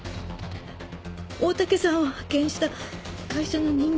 大竹さんを派遣した会社の人間。